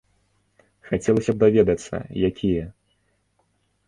Хацелася б даведацца, якія.